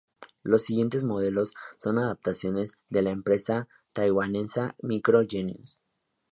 Los siguientes modelos son adaptaciones de la empresa taiwanesa Micro Genius.